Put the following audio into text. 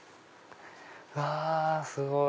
うわすごい。